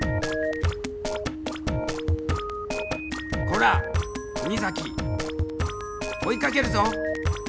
こら国崎追いかけるぞ！